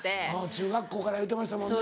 中学校から言うてましたもんね。